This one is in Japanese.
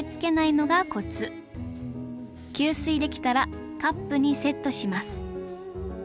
吸水できたらカップにセットします